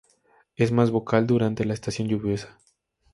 Es más vocal durante la estación lluviosa.